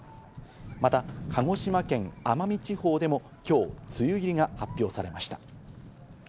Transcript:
また鹿児島県奄美地方でもきょう梅雨入りが発表されました。